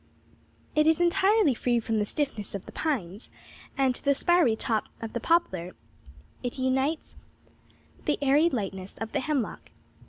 'It is entirely free from the stiffness of the pines, and to the spiry top of the poplar it unites the airy lightness of the hemlock.